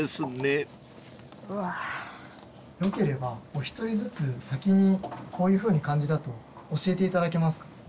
よければお一人ずつ先にこういうふうに感じたと教えていただけますか？